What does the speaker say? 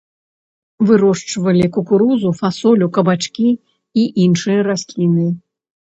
Вырошчвалі кукурузу, фасолю, кабачкі і іншыя расліны.